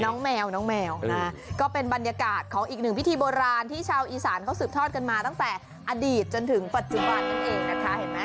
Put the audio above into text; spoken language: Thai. แมวน้องแมวนะก็เป็นบรรยากาศของอีกหนึ่งพิธีโบราณที่ชาวอีสานเขาสืบทอดกันมาตั้งแต่อดีตจนถึงปัจจุบันนั่นเองนะคะเห็นไหม